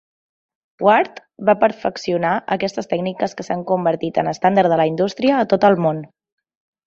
Ward va perfeccionar aquestes tècniques que s'han convertit en estàndard de la indústria a tot el món.